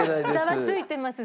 ザワついてます